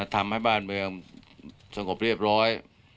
ทำให้บ้านเมืองสงบเรียบร้อย